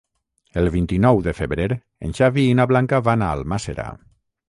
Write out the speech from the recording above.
El vint-i-nou de febrer en Xavi i na Blanca van a Almàssera.